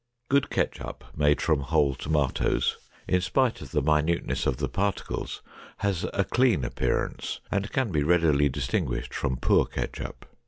Good ketchup made from whole tomatoes, in spite of the minuteness of the particles, has a clean appearance, and can be readily distinguished from poor ketchup.